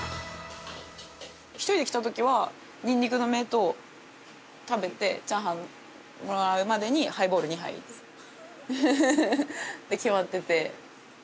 １人で来た時はにんにくの芽と食べてチャーハンもらうまでにハイボール２杯って決まってて。